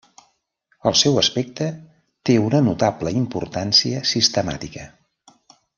El seu aspecte té una notable importància sistemàtica.